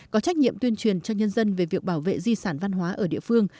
có trách nhiệm tuyên truyền cho nhân dân về việc bảo vệ di sản văn hóa ở địa phương